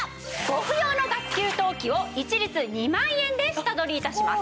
ご不要のガス給湯器を一律２万円で下取り致します。